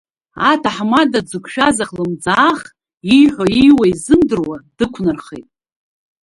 Аҭаҳмада дзықәшәаз ахлымӡаах ииҳәо-ииуа изымдыруа дықәнархеит.